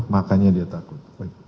makanya dia takut